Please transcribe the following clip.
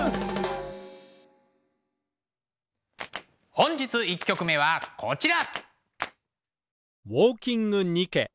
本日１曲目はこちら。